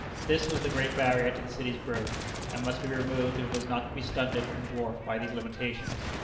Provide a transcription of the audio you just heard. This was the great barrier to the city's growth, and must be removed if it was not to be stunted and dwarfed by these limitations.